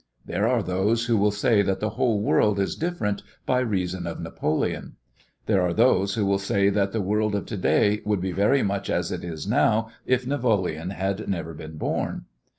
There are those who will say that the whole world is different by reason of Napoleon. There are those who will say that the world of to day would be very much as it is now if Napoleon had never been born.